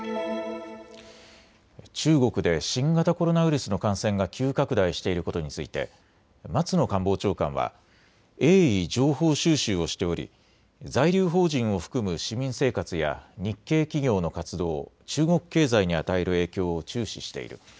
中国で新型コロナウイルスの感染が急拡大していることについて松野官房長官は鋭意、情報収集をしており、在留邦人を含む市民生活や日系企業の活動、中国経済に与える影響を注視している。